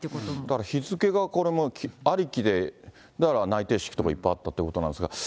だから日付がありきで、だから内定式とかいっぱいあったということなんですが。